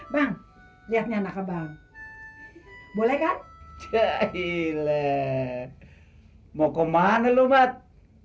bang lihatnya anak kebang boleh kan cahila mau kemana lu mati